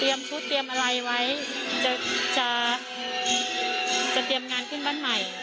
ชุดเตรียมอะไรไว้จะเตรียมงานขึ้นบ้านใหม่